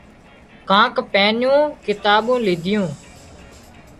ڪانڪ پئينُون ڪتاٻُون ليڌيون